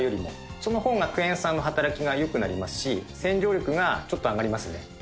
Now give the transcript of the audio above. その方がクエン酸の働きが良くなりますし洗浄力がちょっと上がりますね。